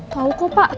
tau kok pak